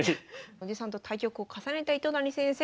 おじさんと対局を重ねた糸谷先生